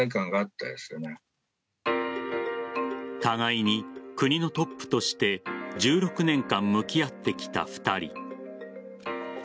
互いに国のトップとして１６年間向き合ってきた２人。